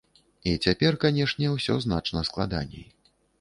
І цяпер, канешне, усё значна складаней.